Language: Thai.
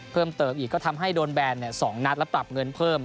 เพิ่มเติมอีกก็ทำให้โดนแบน๒นัดและปรับเงินเพิ่ม